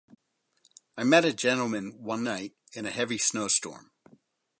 I met a gentleman one night in a heavy snowstorm.